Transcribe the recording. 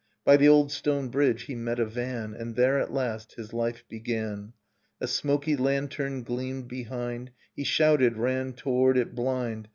By the old stone bridge he met a van, And there at last his life began. A smoky lantern gleamed behind, He shouted, ran toward it blind.